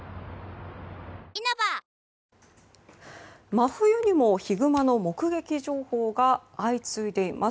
真冬にもヒグマの目撃情報が相次いでいます。